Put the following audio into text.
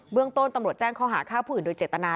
เบื้องต้นตำรวจแจ้งเค้าหาค่าผื่นโดยเจตนา